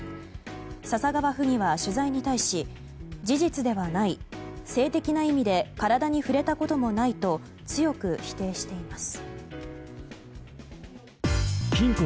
笹川府議は取材に対し事実ではない性的な意味で体に触れたこともないと強く否定しています。